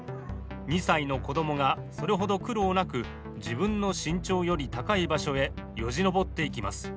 ２歳の子供がそれほど苦労なく自分の身長より高い場所へよじ登っていきます。